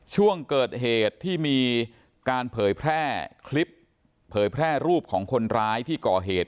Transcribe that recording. ช่วงเกิดเหตุที่มีการเผยแพร่คลิปเผยแพร่รูปของคนร้ายที่ก่อเหตุ